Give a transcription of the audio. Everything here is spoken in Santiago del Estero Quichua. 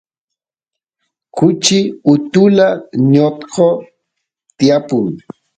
kuchi utula ñotqo tiyapun